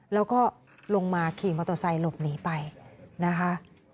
แล้วก็ลงมาขี่มอเตอร์ไซค์หลบหนีไปนะคะ